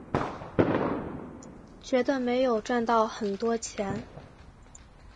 觉得没有赚到很多钱